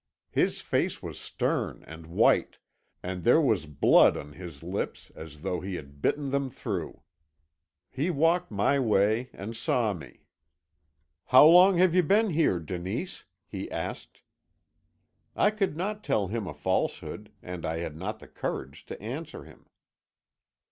His face was stern and white, and there was blood on his lips as though he had bitten them through. "He walked my way and saw me. "'How long have you been here, Denise?' he asked. "I could not tell him a falsehood, and I had not the courage to answer him.